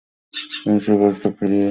তিনি সে প্রস্তাব ফিরিয়ে দিয়েছিলেন।